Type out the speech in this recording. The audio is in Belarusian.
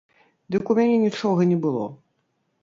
Дык у мяне нічога не было!